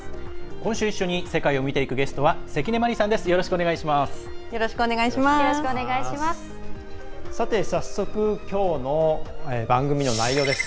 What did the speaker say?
今週一緒に世界を見ていくゲストは関根麻里さんです。